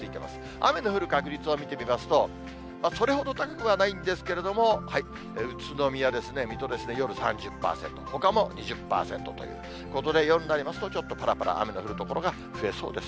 雨の降る確率を見てみますと、それほど高くはないんですけれども、宇都宮ですね、水戸ですね、夜３０％、ほかも２０％ということで夜になりますと、ちょっとぱらぱら雨の降る所が増えそうです。